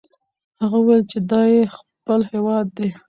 هغه وویل چې دا یې خپل هیواد دی.